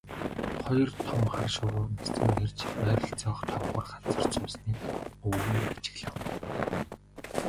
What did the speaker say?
Хоёр том хар шувуу нисэн ирж ойролцоох товгор газарт суусныг өвгөн ажиглав.